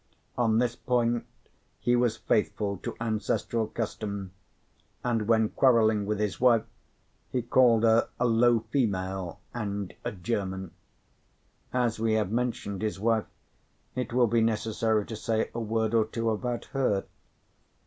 On this point he was faithful to ancestral custom; and when quarrelling with his wife, he called her a low female and a German. As we have mentioned his wife, it will be necessary to say a word or two about her.